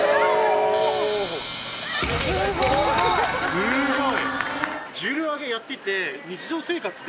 すごい！